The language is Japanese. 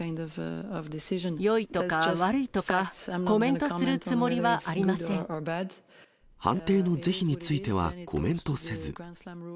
よいとか悪いとか、判定の是非については、コメントせず。